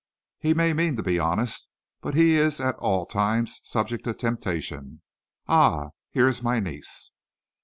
He may mean to be honest, but he is at all times subject to temptation. Ah! here is my niece."